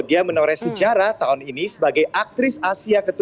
dia menoreh sejarah tahun ini sebagai aktris asia ketua